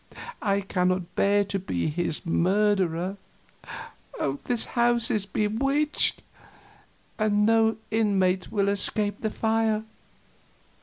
I cannot bear to be his murderer. This house is bewitched, and no inmate will escape the fire.